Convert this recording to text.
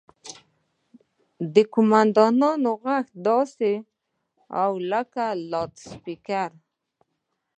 د قوماندان غږ داسې و لکه له لوډسپيکره.